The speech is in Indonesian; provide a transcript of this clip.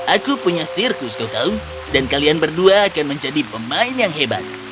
aku punya sirkus kau tahu dan kalian berdua akan menjadi pemain yang hebat